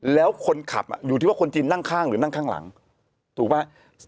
แล้วคนขับอยู่ที่ว่าคนจีนนั่งข้างหรือนั่งข้างหลังถูกไหม